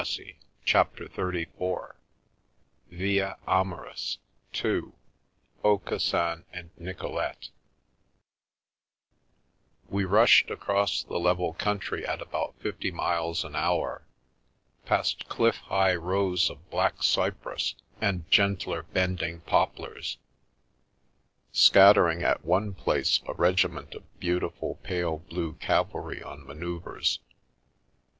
288 CHAPTER XXXIV VIA AMORIS (2) 'Aucassin and Nicolete WE lushed across the level country at about fifty miles an hour, past cliff high rows of black cypress and gentler bending poplars; scattering at one place a regiment of beautiful pale blue cavalry on manoeuvres.